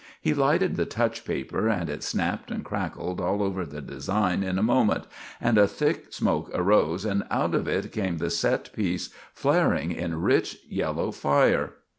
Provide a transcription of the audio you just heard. He lighted the touch paper, and it snapped and crackled all over the design in a moment, and a thick smoke rose, and out of it came the set piece flaring in rich yellow fire.